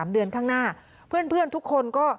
๓เดือนข้างหน้าเพื่อนทุกคนก็